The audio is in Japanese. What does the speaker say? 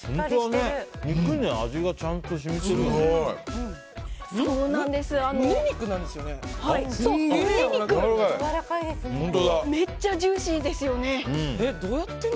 肉に味がちゃんと染み込んでる。